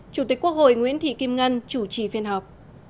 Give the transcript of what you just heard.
chủ tịch quốc hội nguyễn thị kim ngân chủ trì phiên họp